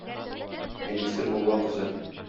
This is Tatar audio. Әнисе мулла кызы.